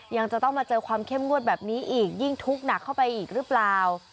ยังจะต้องมาเจอความเข้มงวดแบบนี้อีกยิ่งทุกข์หนักเข้าไปอีกหรือเปล่า